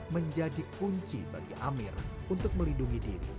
menjadi kunci bagi amir untuk melindungi diri